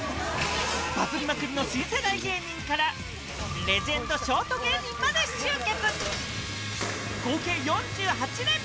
バズりまくりの新世代芸人から、レジェンドショート芸人まで集結。